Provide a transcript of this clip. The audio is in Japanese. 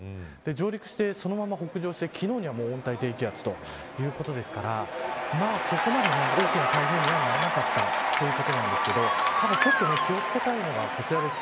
上陸して、そのまま北上して昨日には温帯低気圧ということですからそこまで大きな台風にはならなかったということなんですけどただちょっと気を付けたいのがこちらです。